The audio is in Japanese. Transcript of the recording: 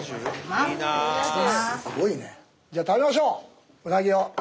じゃあ食べましょううなぎを。